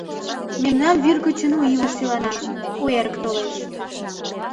Мемнан вӱр гычын у илыш илана, у эрык толеш.